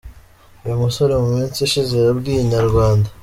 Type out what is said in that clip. Uyu musore mu minsi ishize yabwiye Inyarwanda.